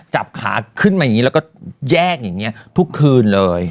จับขาขึ้นไปแล้วแยกอย่างนี้ทุกคืนเลย